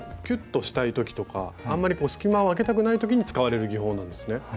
キュッとしたい時とかあんまり隙間をあけたくない時に使われる技法なんですね。